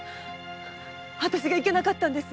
私がいけなかったんです。